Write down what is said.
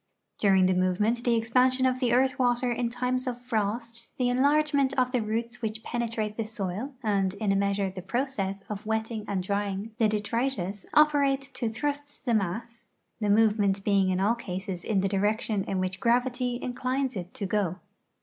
During the movement the expansion of the earth yvater in times of frost, the enlarge ment of the roots yvhich penetrate the soil, and in a measure the process of yvetting and dr^'ing the detritus operate to thrust the mass, the movement being in all cases in the direction in yvhich gravit}' inclines it to go.